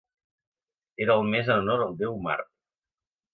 Era el mes en honor al déu Mart.